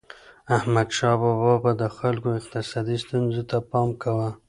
احمدشاه بابا به د خلکو اقتصادي ستونزو ته پام کاوه.